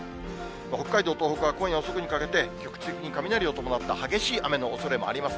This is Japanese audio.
北海道、東北は今夜遅くにかけて局地的に雷を伴った激しい雨のおそれもあります。